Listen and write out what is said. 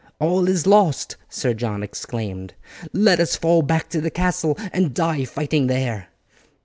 "All is lost," Sir John exclaimed; "let us fall back to the castle and die fighting there."